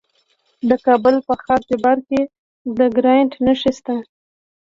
د کابل په خاک جبار کې د ګرانیټ نښې شته.